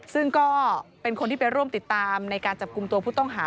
ซึ่งก็เป็นคนที่ไปร่วมติดตามในการจับกลุ่มตัวผู้ต้องหา